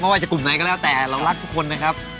ว่าจะกลุ่มไหนก็แล้วแต่เรารักทุกคนนะครับ